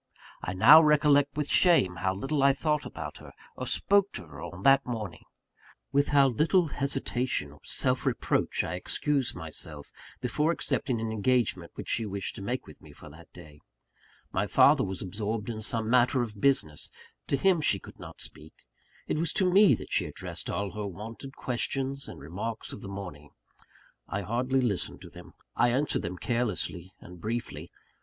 I now recollect with shame how little I thought about her, or spoke to her on that morning; with how little hesitation or self reproach I excused myself from accepting an engagement which she wished to make with me for that day. My father was absorbed in some matter of business; to him she could not speak. It was to me that she addressed all her wonted questions and remarks of the morning. I hardly listened to them; I answered them carelessly and briefly.